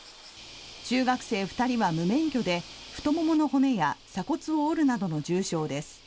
中学生２人は無免許で太ももの骨や鎖骨を折るなどの重傷です。